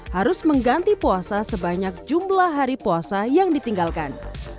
harus mengganti puasa sebanyak jumlah hari puasa yang ditinggalkan